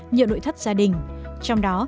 nhựa đội thất gia đình trong đó